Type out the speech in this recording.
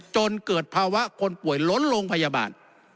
จนเกิดภาวะคนป่วยล้นโรงพยาบาล